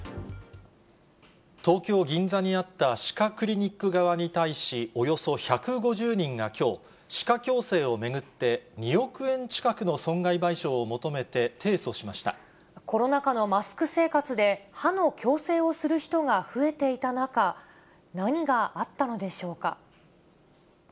東京・銀座にあった歯科クリニック側に対し、およそ１５０人がきょう、歯科矯正を巡って２億円近くの損害賠償コロナ禍のマスク生活で、歯の矯正をする人が増えていた中、何があったのでしょうか。